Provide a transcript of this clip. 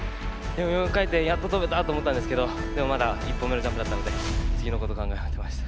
４回転やっと跳べたと思ったんですけどでもまだ１本目のジャンプだったので次のこと考えてました。